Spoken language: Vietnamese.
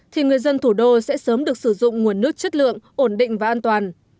thì người dân thủ đô sẽ sớm được sử dụng nguồn nước chất lượng ổn định và an toàn